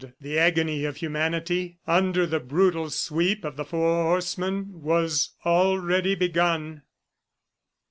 The agony of humanity, under the brutal sweep of the four horsemen, was already begun!